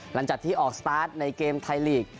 หลังจากที่ออกสตาร์ทในเกมไทยลีก